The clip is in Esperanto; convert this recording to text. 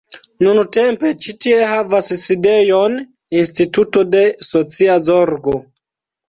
Nuntempe ĉi tie havas sidejon instituto de socia zorgo.